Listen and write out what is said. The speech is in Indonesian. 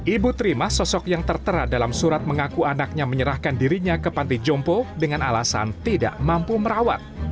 ibu terima sosok yang tertera dalam surat mengaku anaknya menyerahkan dirinya ke panti jompo dengan alasan tidak mampu merawat